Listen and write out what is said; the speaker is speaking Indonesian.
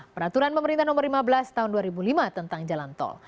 peraturan pemerintah nomor lima belas tahun dua ribu lima tentang jalan tol